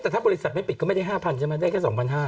แต่ถ้าบริษัทไม่ปิดก็ไม่ได้๕๐๐ใช่ไหมได้แค่๒๕๐๐